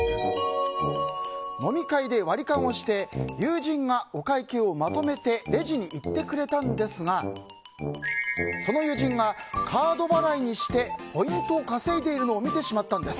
飲み会でワリカンをして、友人がお会計をまとめてレジに行ってくれたんですがその友人がカード払いにしてポイントをかせいでいるのを見てしまったんです。